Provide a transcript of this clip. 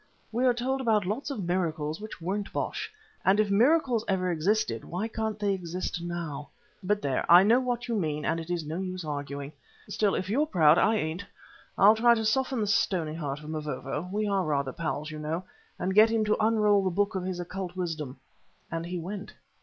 We are told about lots of miracles which weren't bosh, and if miracles ever existed, why can't they exist now? But there, I know what you mean and it is no use arguing. Still, if you're proud, I ain't. I'll try to soften the stony heart of Mavovo we are rather pals, you know and get him to unroll the book of his occult wisdom," and he went.